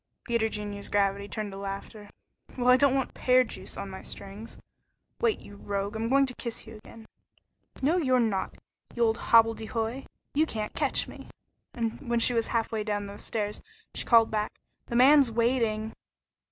Peter Junior's gravity turned to laughter. "Well, I don't want pear juice on my strings. Wait, you rogue, I'm going to kiss you again." "No, you're not, you old hobble de hoy. You can't catch me." When she was halfway down the stairs, she called back, "The man's waiting."